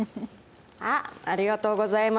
ありがとうございます。